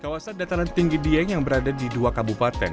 kawasan dataran tinggi dieng yang berada di dua kabupaten